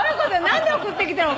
何で送ってきたの？